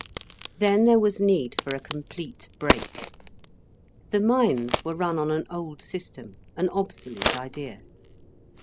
Then there was need for a complete break. The mines were run on an old system, an obsolete idea.